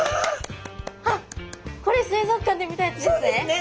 あっこれ水族館で見たやつですね。